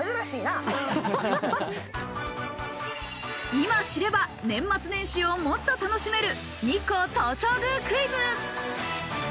今知れば年末年始をもっと楽しめる日光東照宮クイズ！